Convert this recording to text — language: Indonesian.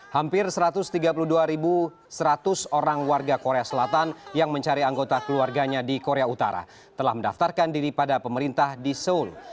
hampir satu ratus tiga puluh dua seratus orang warga korea selatan yang mencari anggota keluarganya di korea utara telah mendaftarkan diri pada pemerintah di seoul